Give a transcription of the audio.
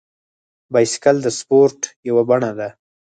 بایسکل د سپورت یوه بڼه ده.